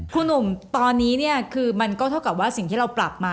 คุณหนุ่มตอนนี้เนี่ยคือมันก็เท่ากับว่าสิ่งที่เราปรับมา